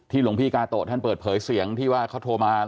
หลวงพี่กาโตะท่านเปิดเผยเสียงที่ว่าเขาโทรมา